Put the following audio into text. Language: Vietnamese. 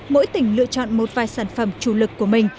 mỗi tỉnh lựa chọn một vài sản phẩm chủ lực của mình